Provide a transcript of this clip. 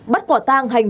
bắt quả tang hành